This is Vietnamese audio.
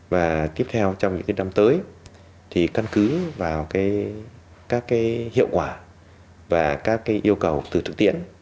và tiếp theo trong những cái năm tới thì căn cứ vào các cái hiệu quả và các cái yêu cầu từ thực tiễn